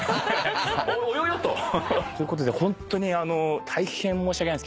およよ？と。ということでホントに大変申し訳ないんですけど。